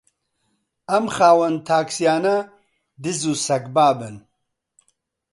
ئەم خاوەن تاکسییانە دز و سەگبابن